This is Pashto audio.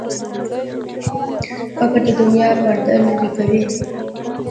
قبر د دنیا پرده لرې کوي.